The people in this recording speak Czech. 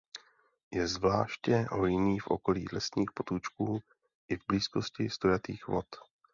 Je zvláště hojný v okolí lesních potůčků i v blízkosti stojatých vod.